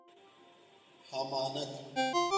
ہمانگ